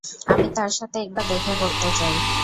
আমি তার সাথে একবার দেখা করতে চাই।